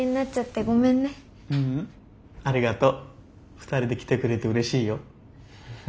２人で来てくれてうれしいよ。